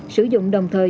sử dụng đồng thời